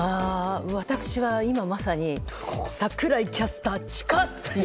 私は今まさに櫻井キャスター近っ！という。